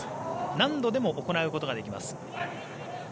何度でも行うことができます。